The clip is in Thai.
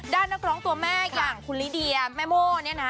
นักร้องตัวแม่อย่างคุณลิเดียแม่โม่เนี่ยนะ